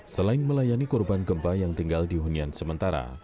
selain melayani korban gempa yang tinggal di hunian sementara